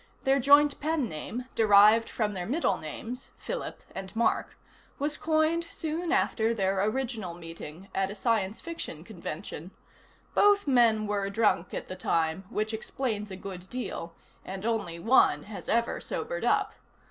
Their joint pen name, derived from their middle names (Philip and Mark), was coined soon after their original meeting, at a science fiction convention. Both men were drunk at the time, which explains a good deal, and only one has ever sobered up.